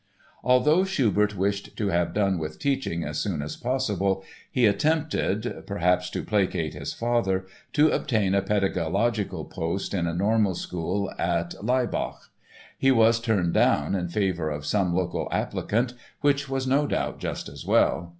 Although Schubert wished to have done with teaching as soon as possible he attempted (perhaps to placate his father) to obtain a pedagogical post in a normal school at Laibach. He was turned down in favor of some local applicant, which was no doubt just as well.